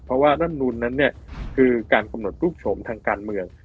เพราะว่าร่ำนูนนั้นเนี่ยคือการกำหนดรูปโฉมทางการเมือง